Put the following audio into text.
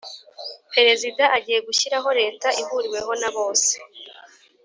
Perezida agiye gushyiraho leta ihuriwemo na bose.